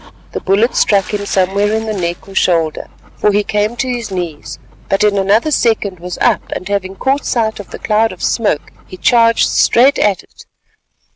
The bullet struck him somewhere in the neck or shoulder, for he came to his knees, but in another second was up and having caught sight of the cloud of smoke he charged straight at it.